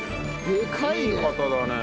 でかいね。